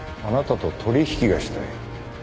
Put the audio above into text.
あなたと取引がしたい。